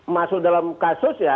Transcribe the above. masuk dalam kasus